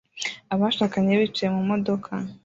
Abashakanye bicaye mu modoka